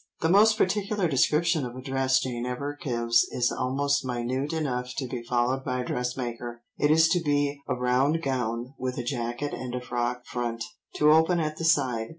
The most particular description of a dress Jane ever gives is almost minute enough to be followed by a dressmaker: "It is to be a round gown, with a jacket and a frock front, to open at the side.